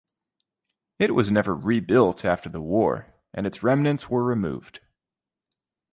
It was never rebuilt after the war and its remnants were removed.